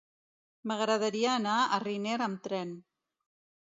M'agradaria anar a Riner amb tren.